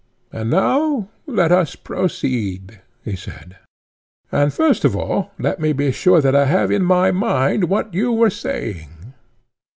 And now let us proceed, he said. And first of all let me be sure that I have in my mind what you were saying.